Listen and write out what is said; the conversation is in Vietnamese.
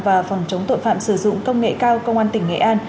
và phòng chống tội phạm sử dụng công nghệ cao công an tỉnh nghệ an